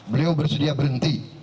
beliau bersedia berhenti